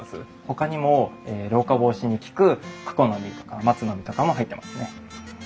ほかにも老化防止に効くクコの実とか松の実とかも入ってますね。